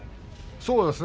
そうですね